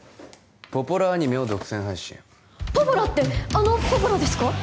ポポラアニメを独占配信ポポラってあのポポラですか？